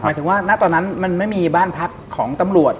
หมายถึงว่าณตอนนั้นมันไม่มีบ้านพักของตำรวจ